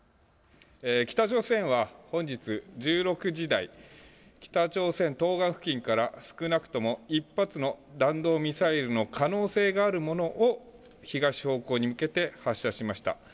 北朝鮮が本日１６時台、北朝鮮東岸付近から少なくとも１発の弾道ミサイルの可能性があるものを東方向に向けて発射しました。